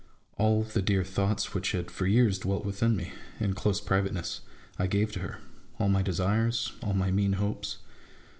All the dear thoughts which had for years dwelt with me in close privateness, I gave to her j all my desires, all my mean hopes.